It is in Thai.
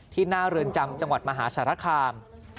ที่หน้าเรือนจำจังหวัดมหาสรภาคราม